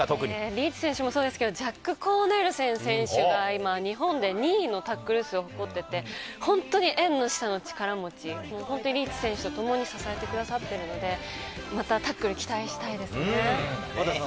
リーチ選手もそうですけれども、ジャック・コーネルセン選手が今、日本で２位のタックル数を誇っていて、本当に縁の下の力持ち、リーチ選手とともに支えてくださってるので、またタックルに期待したいと思います。